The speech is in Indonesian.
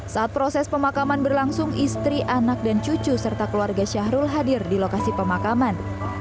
saat proses pemakaman berlangsung istri anak dan cucu serta keluarga syahrul hadir di lokasi pemakaman